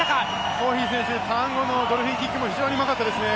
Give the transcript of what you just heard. ホーヒー選手、ターン後のドルフィンキック、非常にうまかったですね。